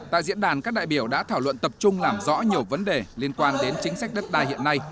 tại diễn đàn các đại biểu đã thảo luận tập trung làm rõ nhiều vấn đề liên quan đến chính sách đất đai hiện nay